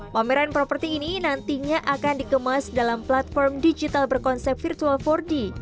pameran properti ini nantinya akan dikemas dalam platform digital berkonsep virtual empat d